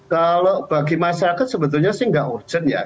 kalau bagi masyarakat sebetulnya sih nggak urgent ya